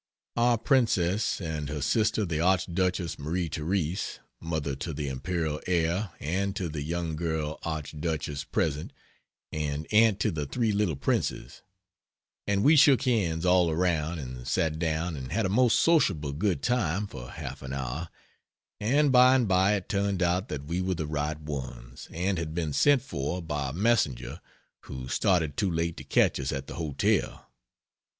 Our princess, and her sister the Archduchess Marie Therese (mother to the imperial Heir and to the young girl Archduchesses present, and aunt to the 3 little princes) and we shook hands all around and sat down and had a most sociable good time for half an hour and by and by it turned out that we were the right ones, and had been sent for by a messenger who started too late to catch us at the hotel.